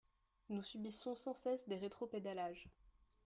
Nous subissons sans cesse des rétropédalages.